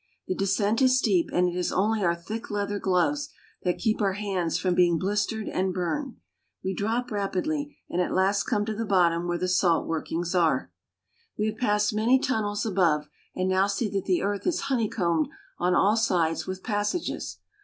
The de scent is steep and it is only our thick leather gloves that keep our hands from being blistered and burned. We drop rapidly, and at last come to the bottom where the salt workings are. We have passed many tunnels above, and now see that the earth is honeycombed on all sides with passages.